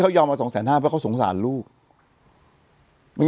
มันจะต้องไปผิดสูตรกัน